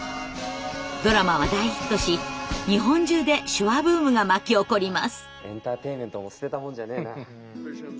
ドラマは大ヒットし日本中で手話ブームが巻き起こります。